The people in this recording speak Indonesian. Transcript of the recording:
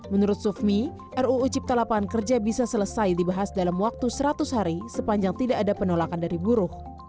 menurut sufmi ruu cipta lapangan kerja bisa selesai dibahas dalam waktu seratus hari sepanjang tidak ada penolakan dari buruh